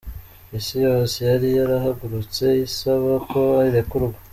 Isi yose yari yarahagurutse isaba ko arekurwa.